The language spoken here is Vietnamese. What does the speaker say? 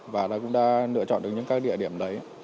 và cũng đã lựa chọn được những các địa điểm đấy